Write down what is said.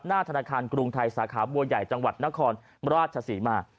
ธนาคารกรุงไทยสาขาบัวใหญ่จังหวัดนครราชศรีมา